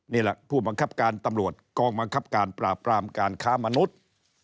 นี่แหละผู้บังคับการตำรวจกองบังคับการปราบปรามการค้ามนุษย์